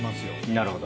なるほど。